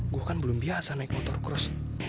gue kan belum biasa naik motor cross